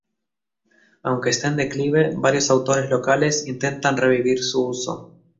Aunque está en declive, varios autores locales intentan revivir su uso.